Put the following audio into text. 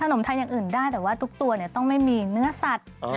นมไทยอย่างอื่นได้แต่ว่าทุกตัวต้องไม่มีเนื้อสัตว์